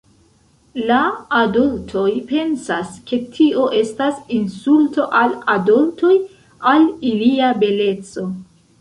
La adoltoj pensas, ke tio estas insulto al adoltoj, al ilia beleco.